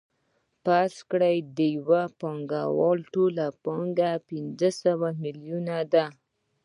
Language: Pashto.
فرض کړئ د یو پانګوال ټوله پانګه پنځه سوه میلیونه ده